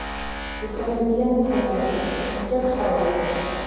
იკვებებიან მცენარეებით, ზოგჯერ ცხოველებითაც.